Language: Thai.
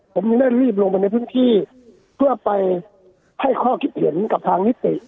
ผมได้รีบลงไปในพื้นที่เพื่อไปให้ข้อคิดเห็นกับทางนิติ